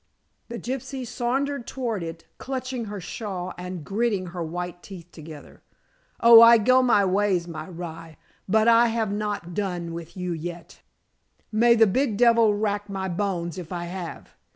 The gypsy sauntered toward it, clutching her shawl and gritting her white teeth together. "Oh, I go my ways, my rye, but I have not done with you yet, may the big devil rack my bones if I have.